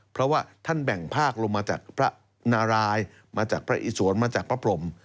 เพราะว่าท่านแบ่งภาคลงมาจากพระนารายมาจากพระอิสวนมาจากพระพรม